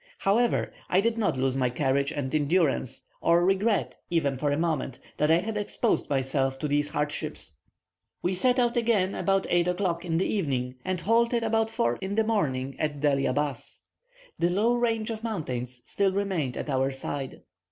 However, I did not lose my courage and endurance, or regret, even for a moment, that I had exposed myself to these hardships. We set out again about 8 o'clock in the evening, and halted about 4 in the morning at Deli Abas. The low range of mountains still remained at our side.